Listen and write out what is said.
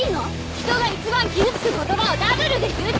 人が一番傷つく言葉をダブルで言っていいの！？